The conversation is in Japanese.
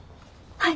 はい。